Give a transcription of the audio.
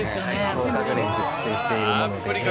１０日間熟成しているもので。